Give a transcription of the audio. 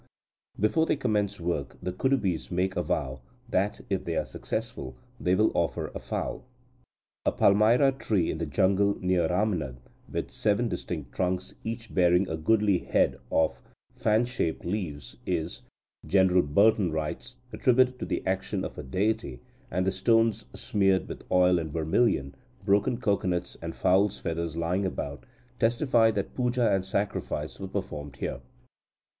Before they commence work, the Kudubis make a vow that, if they are successful, they will offer a fowl. "A palmyra tree in the jungle near Ramnad with seven distinct trunks, each bearing a goodly head of fan shaped leaves is," General Burton writes, "attributed to the action of a deity, and stones smeared with oil and vermilion, broken cocoanuts, and fowl's feathers lying about, testify that puja and sacrifice were performed here."